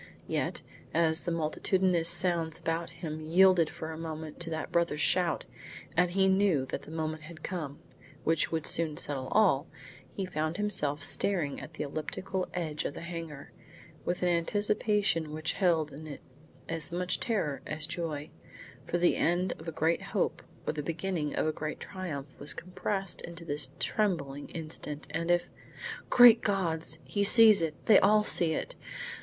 Yet, as the multitudinous sounds about him yielded for a moment to that brother's shout, and he knew that the moment had come, which would soon settle all, he found himself staring at the elliptical edge of the hangar, with an anticipation which held in it as much terror as joy, for the end of a great hope or the beginning of a great triumph was compressed into this trembling instant and if Great God! he sees it! They all see it!